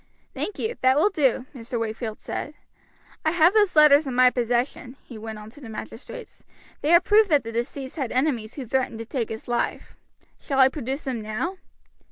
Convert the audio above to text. "Thank you, that will do," Mr. Wakefield said. "I have those letters in my possession," he went on to the magistrates. "They are proof that the deceased had enemies who had threatened to take his life. Shall I produce them now?"